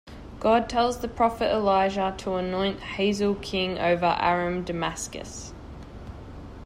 God tells the prophet Elijah to anoint Hazael king over Aram Damascus.